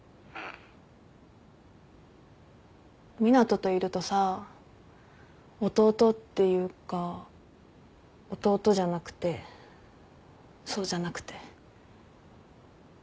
湊斗といるとさ弟っていうか弟じゃなくてそうじゃなくて。